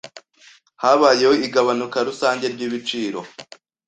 Habayeho igabanuka rusange ryibiciro.